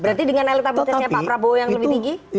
berarti dengan elektabilitasnya pak prabowo yang lebih tinggi